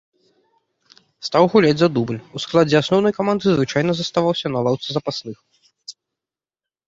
Стаў гуляць за дубль, у складзе асноўнай каманды звычайна заставаўся на лаўцы запасных.